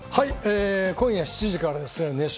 今夜７時から『熱唱！